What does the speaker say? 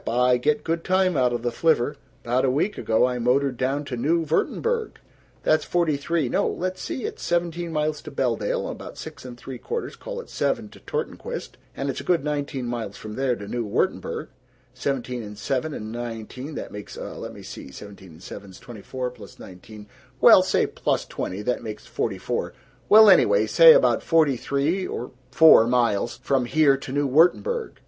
I get good time out of the flivver. 'Bout a week ago I motored down to New Wurttemberg. That's forty three No, let's see: It's seventeen miles to Belldale, and 'bout six and three quarters, call it seven, to Torgenquist, and it's a good nineteen miles from there to New Wurttemberg seventeen and seven and nineteen, that makes, uh, let me see: seventeen and seven 's twenty four, plus nineteen, well say plus twenty, that makes forty four, well anyway, say about forty three or four miles from here to New Wurttemberg.